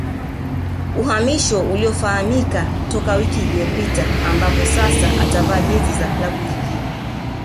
Uhamisho uliofahamika toka wiki iliyopita ambapo sasa atavaa jezi za klabu nyingine